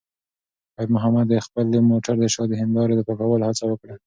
خیر محمد د خپل موټر د شا د هیندارې د پاکولو هڅه وکړه.